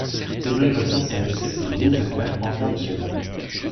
Il bricole sans cesse des vieilles affaires pour en faire des chefs-d'œuvre.